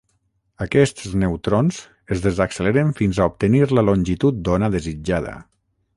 Aquests neutrons es desacceleren fins a obtenir la longitud d'ona desitjada.